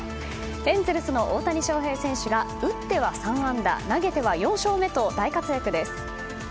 エンゼルスの大谷翔平選手が打っては３安打投げては４勝目と大活躍です。